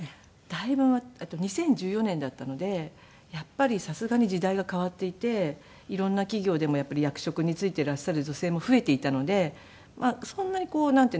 だいぶ２０１４年だったのでやっぱりさすがに時代が変わっていて色んな企業でも役職に就いていらっしゃる女性も増えていたのでそんなにこうなんていうんですかね。